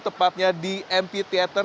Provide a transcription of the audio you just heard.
tepatnya di mp theater